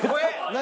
何？